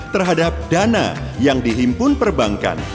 terhadap dana yang dihimpun perbankan